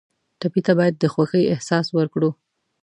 ټپي ته باید د خوښۍ احساس ورکړو.